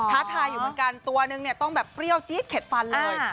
ท้าทายอยู่เหมือนกันตัวนึงเนี่ยต้องแบบเปรี้ยวจี๊ดเข็ดฟันเลย